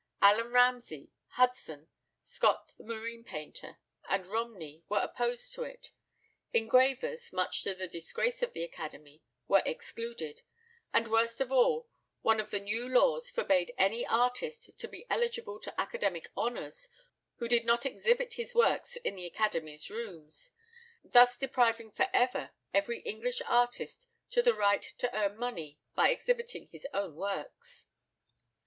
Allan Ramsay, Hudson, Scott the marine painter, and Romney were opposed to it. Engravers (much to the disgrace of the Academy) were excluded; and worst of all, one of the new laws forbade any artist to be eligible to academic honours who did not exhibit his works in the Academy's rooms: thus depriving for ever every English artist of the right to earn money by exhibiting his own works.